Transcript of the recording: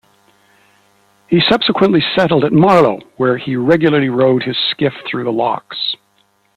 He subsequently settled at Marlow where he regularly rowed his skiff through the locks.